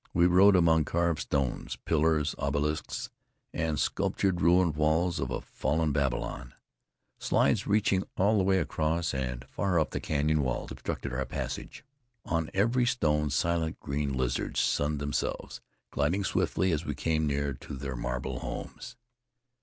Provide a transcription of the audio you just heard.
We rode among carved stones, pillars, obelisks and sculptured ruined walls of a fallen Babylon. Slides reaching all the way across and far up the canyon wall obstructed our passage. On every stone silent green lizards sunned themselves, gliding swiftly as we came near to their marble homes.